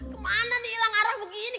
kemana nih hilang arah begini